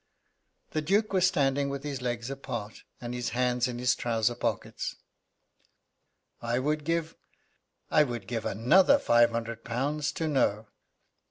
The Duke was standing with his legs apart, and his hands in his trousers pockets. "I would give I would give another five hundred pounds to know.